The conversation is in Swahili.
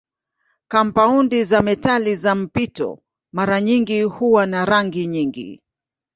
Kampaundi za metali za mpito mara nyingi huwa na rangi nyingi.